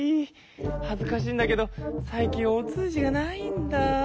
はずかしいんだけど最近お通じがないんだ。